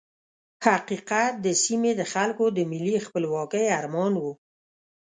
حقیقت د سیمې د خلکو د ملي خپلواکۍ ارمان وو.